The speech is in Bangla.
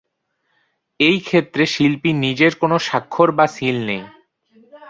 এই ক্ষেত্রে শিল্পীর নিজের কোন স্বাক্ষর বা সীল নেই।